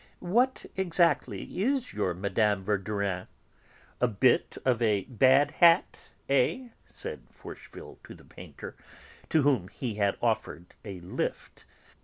"What exactly is your Mme. Verdurin? A bit of a bad hat, eh?" said Forcheville to the painter, to whom he had offered a 'lift.'